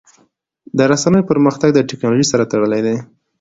د رسنیو پرمختګ د ټکنالوژۍ سره تړلی دی.